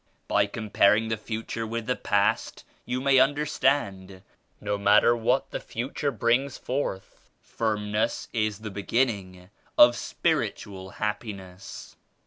By comparing the future with the past you may understand, no matter what the future brings forth. Firmness is the beginning of spiritual happiness.